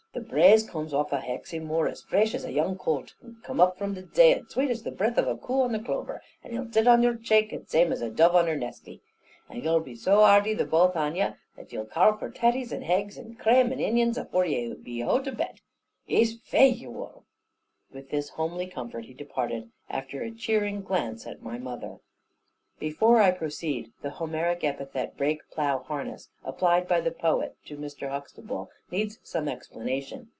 The braze cooms off o Hexymoor as frash as a young coolt, and up from the zay as swate as the breath of a coo on the clover, and he'll zit on your chake the zame as a dove on her nestie; and ye'll be so hearty the both on ye, that ye'll karl for taties and heggs and crame and inyons avore e be hout of bed. Ee's fai ye wull." With this homely comfort he departed, after a cheering glance at my mother. Before I proceed, the Homeric epithet "Break plough harness," applied by the poet to Mr. Huxtable, needs some explanation.